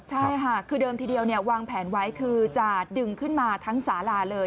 ใช่ค่ะคือเดิมทีเดียววางแผนไว้คือจะดึงขึ้นมาทั้งสาลาเลย